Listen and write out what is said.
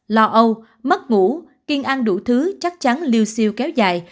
lo âu mất ngủ kiêng ăn đủ thứ chắc chắn liêu siêu kéo dài